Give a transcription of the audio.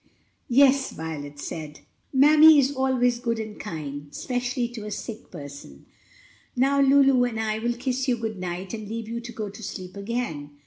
"Yes," Violet said, "mammy is always good and kind, especially to a sick person. Now Lulu and I will kiss you good night and leave you to go to sleep again."